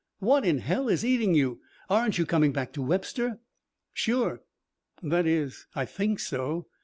"What in hell is eating you? Aren't you coming back to Webster?" "Sure. That is I think so.